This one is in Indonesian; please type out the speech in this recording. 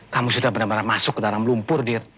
kamu sudah benar benar masuk ke dalam lumpur dir